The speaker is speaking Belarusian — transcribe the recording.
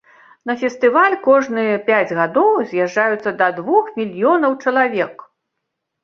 На фестываль кожныя пяць гадоў з'язджаюцца да двух мільёнаў чалавек.